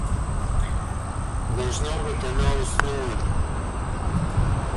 Должно быть, она уснула.